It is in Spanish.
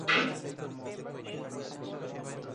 Las grabaciones fueron habilitadas para descarga digital.